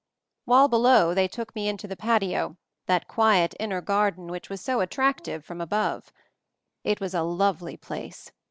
WHILE below they took me into the patio, that quiet inner garden which was so attractive from above. It was a lovely place.